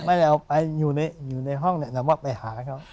ไม่ได้เอาไปอยู่ในห้องเนี่ยแต่ว่าไปหาเขา